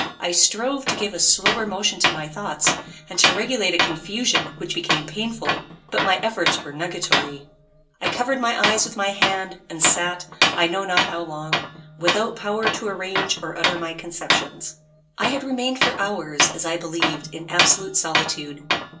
I strove to give a slower motion to my thoughts, and to regulate a confusion which became painful; but my efforts were nugatory. I covered my eyes with my hand, and sat, I know not how long, without power to arrange or utter my conceptions. I had remained for hours, as I believed, in absolute solitude.